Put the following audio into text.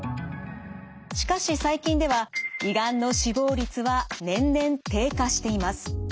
しかし最近では胃がんの死亡率は年々低下しています。